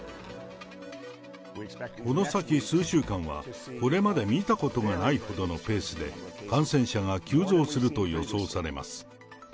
この先数週間は、これまで見たことがないほどのペースで、感染者が急増すると予想されます。